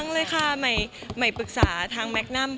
เลยค่ะใหม่ปรึกษาทางแมคนัม